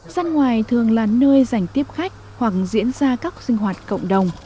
gian ngoài thường là nơi dành tiếp khách hoặc diễn ra các sinh hoạt cộng đồng